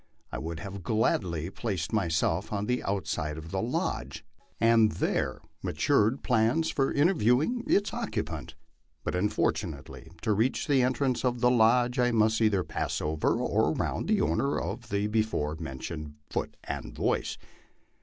I would have gladly placed myself on the outside of the lodge, and there matured pvans for interviewing its occupant ; but unfortunately to reach the entrance of the lodge I must either pass over or around the owner of the before mentioned foot and voice.